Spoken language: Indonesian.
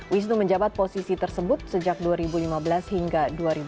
wisnu menjabat posisi tersebut sejak dua ribu lima belas hingga dua ribu tujuh belas